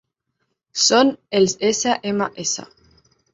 Són els Essa Ema Essa!